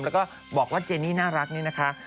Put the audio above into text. แล้วก็บอกว่าเจนี่น่ารักนี่นะคะ